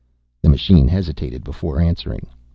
The machine hesitated before answering.